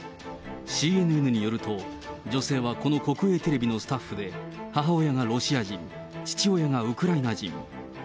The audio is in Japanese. ＣＮＮによると、女性はこの国営テレビのスタッフで、母親がロシア人、父親がウクライナ人。